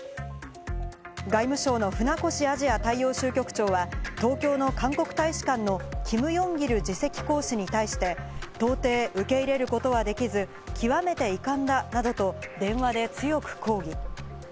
外務省の船越アジア大洋州局長は東京の韓国大使館のキム・ヨンギル次席公使に対して到底受け入れることはできず極めて遺憾だなどと電話で強く抗議。